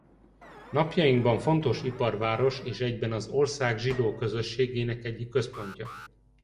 Napjainkban fontos iparváros és egyben az ország zsidó közösségének egyik központja.